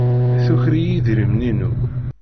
Tuker-iyi idrimen-inu.